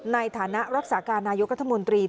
ในฐานะรักษาการนายกรัฐมนตรี